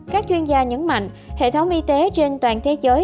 các chuyên gia nhấn mạnh hệ thống y tế trên toàn thế giới